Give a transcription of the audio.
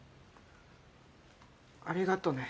ありがとね。